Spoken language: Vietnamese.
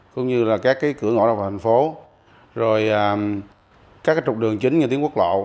cũng như là các cửa ngõ đoàn thành phố rồi các trục đường chính như tiếng quốc lộ